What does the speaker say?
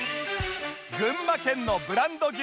群馬県のブランド牛